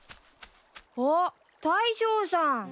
あっ大将さん！